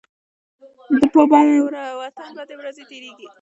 د په وطن بدې ورځې تيريږي.